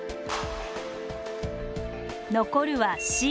残るはＣ。